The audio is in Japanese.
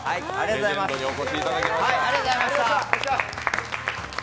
レジェンドにお越しいただきました。